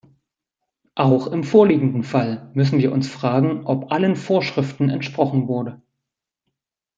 Auch im vorliegenden Fall müssen wir uns fragen, ob allen Vorschriften entsprochen wurde.